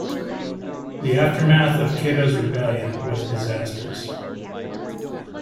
The aftermath of Kato's rebellion was disastrous.